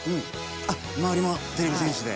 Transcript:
あ周りもてれび戦士で。